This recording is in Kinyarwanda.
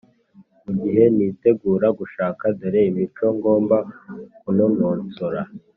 Mu gihe nitegura gushaka dore imico ngomba kunonosora